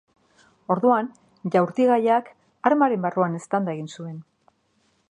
Orduan, jaurtigaiak armaren barruan eztanda egin zuen.